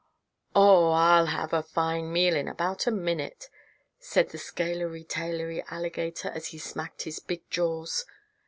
"Oh, I'll have a fine meal in about a minute," said the scalery tailery alligator as he smacked his big jaws.